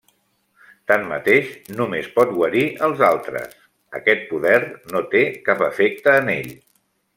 Tanmateix, només pot guarir els altres, aquest poder no té cap efecte en ell.